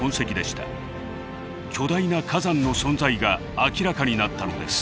巨大な火山の存在が明らかになったのです。